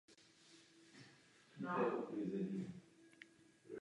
A tyto výzvy vyžadují smělé a odhodlané činy.